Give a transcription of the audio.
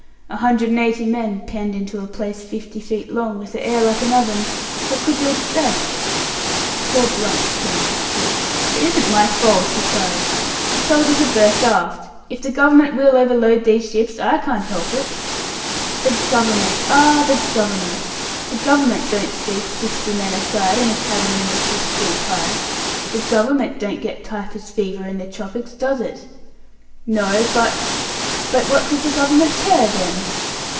A hundred and eighty men penned into a place fifty feet long, with the air like an oven what could you expect?" Poor Blunt stamped his foot. "It isn't my fault," he cried. "The soldiers are berthed aft. If the Government will overload these ships, I can't help it." "The Government! Ah! The Government! The Government don't sleep, sixty men a side, in a cabin only six feet high. The Government don't get typhus fever in the tropics, does it?" "No but " "But what does the Government care, then?"